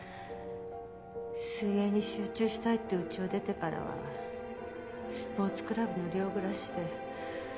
水泳に集中したいって家を出てからはスポーツクラブの寮暮らしで。